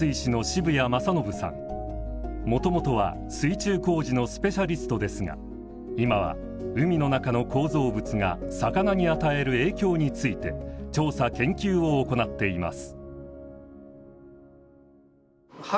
もともとは水中工事のスペシャリストですが今は海の中の構造物が魚に与える影響について調査研究を行っています。